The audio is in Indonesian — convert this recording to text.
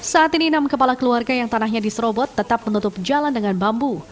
saat ini enam kepala keluarga yang tanahnya diserobot tetap menutup jalan dengan bambu